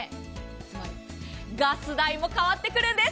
つまりガス代も変わってくるんです。